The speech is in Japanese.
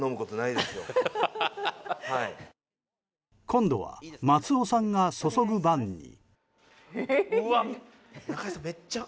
今度は松尾さんが注ぐ番に。